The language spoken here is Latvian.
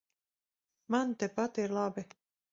Man tepat ir labi.